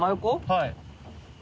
はい。